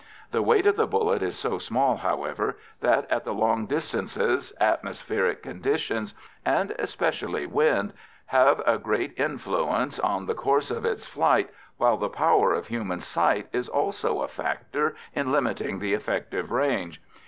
The weight of the bullet is so small, however, that at the long distances atmospheric conditions, and especially wind, have a great influence on the course of its flight, while the power of human sight is also a factor in limiting the effective range.